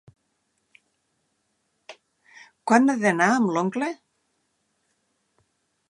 Quan ha d'anar amb l'oncle?